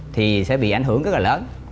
thì sẽ bị ảnh hưởng rất là lớn